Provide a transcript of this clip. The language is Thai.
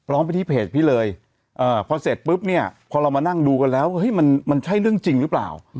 ร้องไปที่เพจพี่เลยพอเสร็จปุ๊บเนี่ยพอเรามานั่งดูกันแล้วมันใช่เรื่องจริงหรือเปล่า